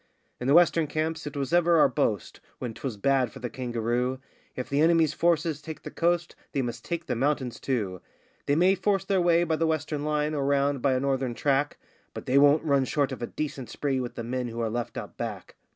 In the western camps it was ever our boast, when 'twas bad for the kangaroo: 'If the enemy's forces take the coast, they must take the mountains, too; They may force their way by the western line or round by a northern track, But they won't run short of a decent spree with the men who are left out back!